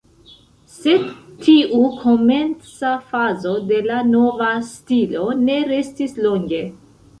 Sed tiu komenca fazo de la nova stilo ne restis longe.